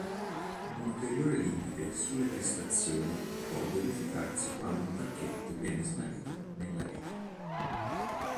Un ulteriore limite sulle prestazioni può verificarsi quando un pacchetto viene smarrito nella rete.